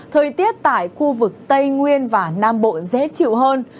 thời tiết tại khu vực tây nguyên và nam bộ dễ chịu hơn